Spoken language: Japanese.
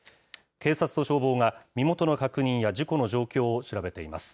警察と消防が、身元の確認や事故の状況を調べています。